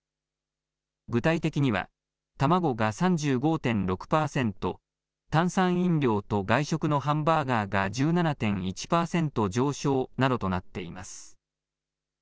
具体的には卵が３５．６パーセント炭酸飲料と外食のハンバーガーが１７．１パーセント上昇などとなっています。